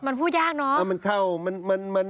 มันพูดยากเนอะ